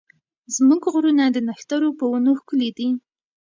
زموږ غرونه د نښترو په ونو ښکلي دي.